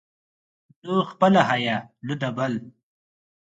نه خپله حیا، نه د بل.